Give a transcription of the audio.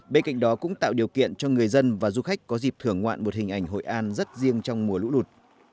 bên cạnh đó cũng tạo điều kiện cho người dân và du khách có dịp thưởng ngoạn một hình ảnh hội an rất riêng trong mùa lũ lụt